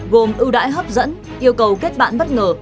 gồm ưu đãi hấp dẫn yêu cầu kết bạn bất ngờ